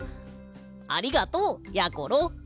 ありがとうやころ。